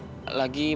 terima kasih juga son